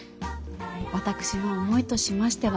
私の思いとしましては